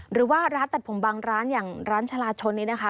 หรือว่าร้านตัดผมบางร้านอย่างร้านชาลาชนนี้นะคะ